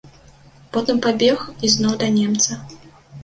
Потым пабег ізноў да немца.